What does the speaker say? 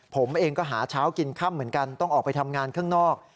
ผมเองก็หาเช้ากินค่ำเหมือนกันต้องออกไปทำงานข้างนอก